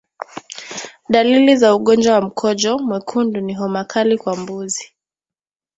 Dalili za ugonjwa wa mkojo mwekundu ni homa kali kwa mbuzi